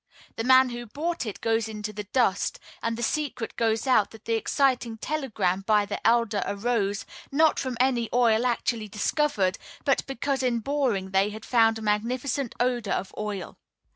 The man who bought it goes into the dust; and the secret gets out that the exciting telegram sent by the elder arose, not from any oil actually discovered, but because in boring they had found a magnificent odor of oil.